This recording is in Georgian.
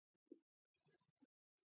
ცეკვის შინაარსი საბრძოლო ხასიათისაა.